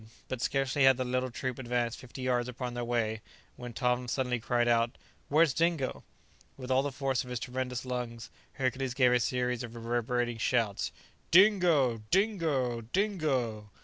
But scarcely had the little troop advanced fifty yards upon their way, when Tom suddenly cried out, "Where's Dingo?" With all the force of his tremendous lungs, Hercules gave a series of reverberating shouts: "Dingo! Dingo! Dingo!"